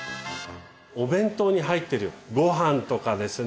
お弁当に入ってるごはんとかですね